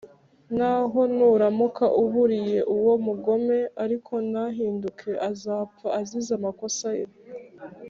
Naho nuramuka uburiye uwo mugome, ariko ntahinduke azapfa azize amakosa ye